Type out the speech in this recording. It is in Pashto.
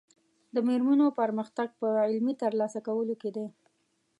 د مېرمنو پرمختګ په علمي ترلاسه کولو کې دی.